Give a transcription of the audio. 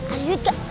ada duit gak